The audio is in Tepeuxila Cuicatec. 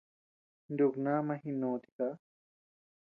Nuku nama jinó tiká.